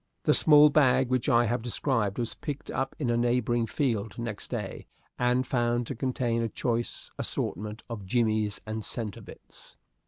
The small bag which I have described was picked up in a neighboring field next day, and found to contain a choice assortment of jimmies and centre bits.